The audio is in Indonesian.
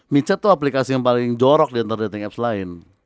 michat tuh aplikasi yang paling jorok di antar dating apps lain